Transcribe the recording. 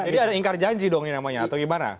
jadi ada ingkar janji dong ini namanya atau gimana